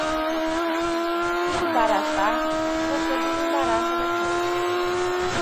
Se embaraçar, você desembaraça depois.